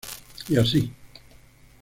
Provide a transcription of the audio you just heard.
Y así.